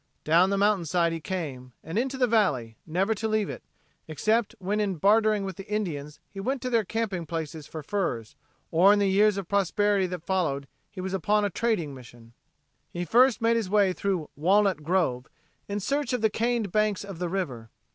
Down the mountainside he came, and into the valley; never to leave it, except when in bartering with the Indians he went to their camping places for furs, or in the years of prosperity that followed he was upon a trading mission. He first made his way through "Walnut Grove" in search of the caned banks of the river.